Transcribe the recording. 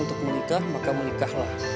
untuk bernikah maka menikahlah